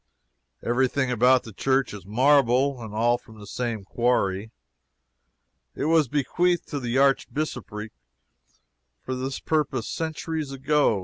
Every thing about the church is marble, and all from the same quarry; it was bequeathed to the Archbishopric for this purpose centuries ago.